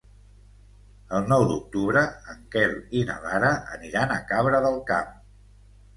El nou d'octubre en Quel i na Lara aniran a Cabra del Camp.